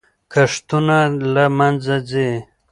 کښتونه له منځه ځي.